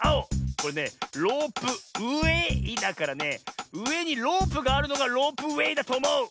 これねロープウエーだからねうえにロープがあるのがロープウエーだとおもう！